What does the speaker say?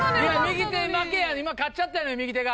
右手負けや今勝っちゃったのよ右手が。